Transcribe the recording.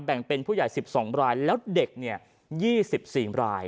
แบ่งเป็นผู้ใหญ่๑๒รายแล้วเด็ก๒๔ราย